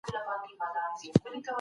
د والدینو ترمنځ مینه ماشومان خوشحالوي.